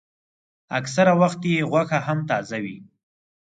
اکثره وخت یې غوښه هم تازه وي.